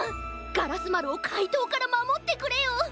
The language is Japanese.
ガラスまるをかいとうからまもってくれよ。